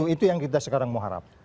itu yang kita sekarang mau harap